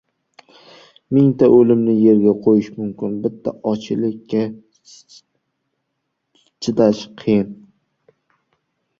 • Mingta o‘limni yerga qo‘yish mumkin, bitta ochlikka chidash qiyin.